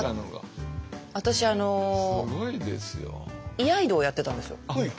居合道をやってたんですよ